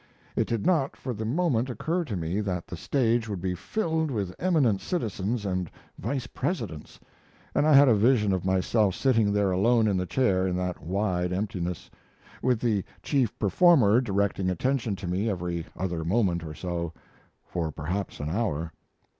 It did not for the moment occur to me that the stage would be filled with eminent citizens and vice presidents, and I had a vision of myself sitting there alone in the chair in that wide emptiness, with the chief performer directing attention to me every other moment or so, for perhaps an hour.